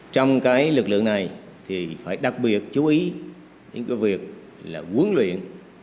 trong cái lực lượng này thì phải đặc biệt chú ý đến cái việc là huấn luyện